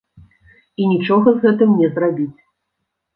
І нічога з гэтым не зрабіць.